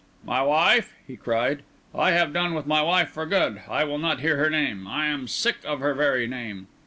"My wife?" he cried. "I have done with my wife for good. I will not hear her name. I am sick of her very name."